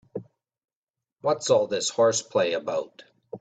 What's all this horseplay about?